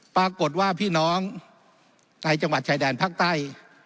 ปรากฏว่าพี่น้องในจังหวัดชายแดนภาคใต้